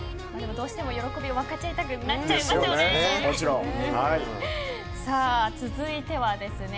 どうしても喜びを分かち合いたくなりますよね。